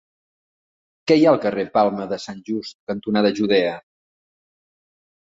Què hi ha al carrer Palma de Sant Just cantonada Judea?